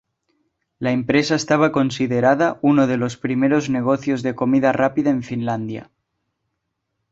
La empresa estaba considerada uno de los primeros negocios de comida rápida en Finlandia.